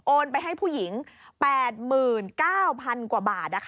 ไปให้ผู้หญิง๘๙๐๐กว่าบาท